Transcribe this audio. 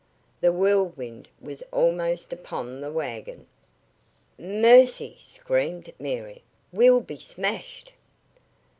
The Whirlwind was almost upon the wagon! "Mercy!" screamed. Mary. "We'll be smashed!"